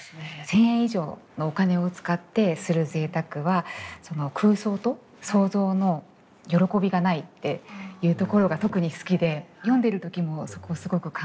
「千円以上のお金を使ってする贅沢は空想と創造の歓びがない」っていうところが特に好きで読んでる時もそこすごく感動したんですけど。